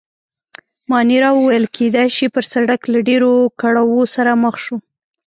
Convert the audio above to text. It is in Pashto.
مانیرا وویل: کېدای شي، پر سړک له ډېرو کړاوو سره مخ شو.